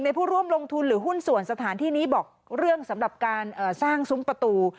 ผู้ร่วมลงทุนหรือหุ้นส่วนสถานที่นี้บอกเรื่องสำหรับการสร้างซุ้มประตู